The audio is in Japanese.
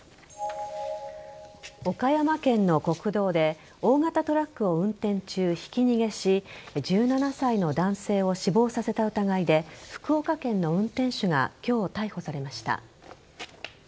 岡山県の国道で大型トラックを運転中ひき逃げし１７歳の男性を死亡させた疑いで福岡県の運転手が今日、逮捕されました。